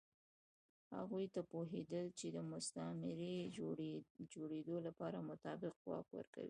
هغوی نه پوهېدل چې د مستعمرې جوړېدو لپاره مطلق واک ورکوي.